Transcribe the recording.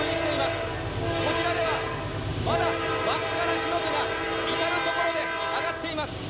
こちらではまだ真っ赤な火の手が至る所で上がっています。